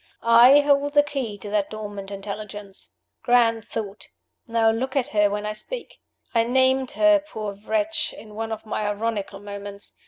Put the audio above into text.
"I hold the key to that dormant Intelligence. Grand thought! Now look at her when I speak. (I named her, poor wretch, in one of my ironical moments.